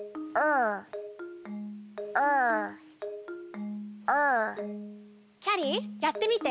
“ｒ”．“ｒ”．“ｒ”．きゃりーやってみて。